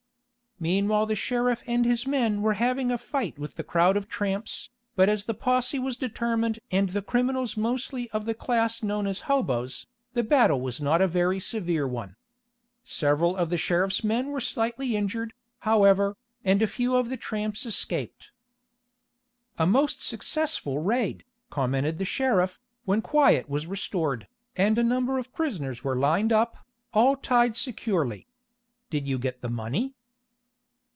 Meanwhile the sheriff and his men were having a fight with the crowd of tramps, but as the posse was determined and the criminals mostly of the class known as "hobos," the battle was not a very severe one. Several of the sheriff's men were slightly injured, however, and a few of the tramps escaped. "A most successful raid," commented the sheriff, when quiet was restored, and a number of prisoners were lined up, all tied securely. "Did you get the money?"